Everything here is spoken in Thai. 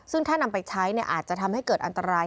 ซึ่งถ้านำไปใช้อาจจะทำให้เกิดอันตราย